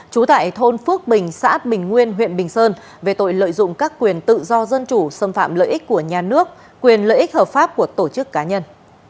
trú tại thôn phước bình xã bình nguyên huyện bình sơn về tội lợi dụng các quyền tự do dân chủ xâm phạm lợi ích của nhà nước quyền lợi ích hợp pháp của tổ chức cá nhân